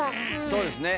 そうですね。